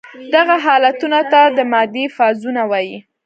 دغه حالتونو ته د مادې فازونه وايي.